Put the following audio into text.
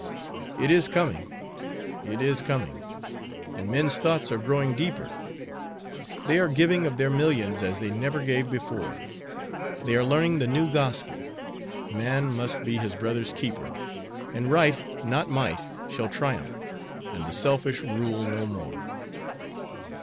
It is coming! it is coming! and men's thoughts are growing deeper; They are giving of their millions as they never gave before; They are learning the new Gospel; man must be his brother's keeper, And right, not might, shall triumph, and the selfish rule no more."